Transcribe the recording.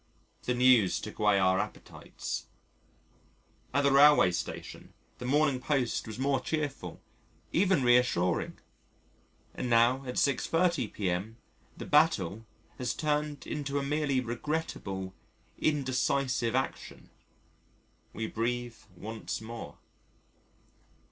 The news took away our appetites. At the railway station, the Morning Post was more cheerful, even reassuring, and now at 6.30 p.m. the Battle has turned into a merely regrettable indecisive action. We breathe once more.